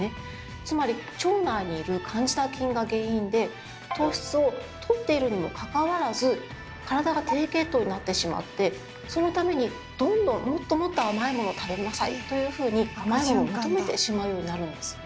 つまり腸内にいるカンジダ菌が原因で糖質をとっているにもかかわらず体が低血糖になってしまってそのためにどんどんもっともっと甘いものを食べなさいというふうに甘いものを求めてしまうようになるんです。